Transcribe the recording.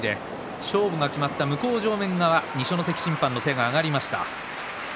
勝負が決まった向正面側二所ノ関審判の手が上がりました。